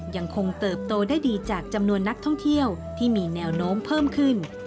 ยังคงเติบโตได้ดีจากจำนวนนักท่องเที่ยวที่มีแนวโน้มเพิ่มขึ้น